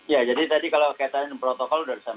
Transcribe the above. ya jadi tadi kalau kaitannya dengan protokol sudah disampaikan